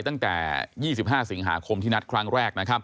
ตั้งแต่๒๕สิงหาคมที่นัดครั้งแรกนะครับ